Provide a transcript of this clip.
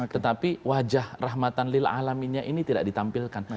tetapi wajah rahmatan lil'alaminya ini tidak ditampilkan